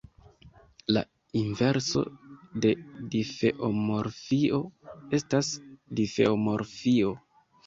La inverso de difeomorfio estas difeomorfio.